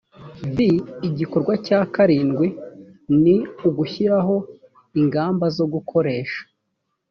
vi igikorwa cya karindwi ni ugushyiraho ingamba zo gukoresha